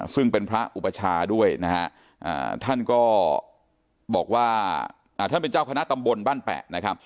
ซึ่งเป็นพระอุปชาด้วยนะฮะท่านก็บอกว่าท่านเป็นเจ้าคณะตำบลบ้านแปะนะครับ